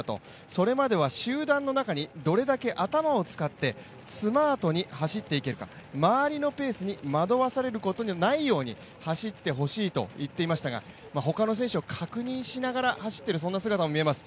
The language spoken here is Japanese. それまでは集団の中にどれだけ頭を使ってスマートに走っていけるか周りのペースに惑わされることのないように走ってほしいと言っていましたが他の選手を確認しながら走っている姿も見えます。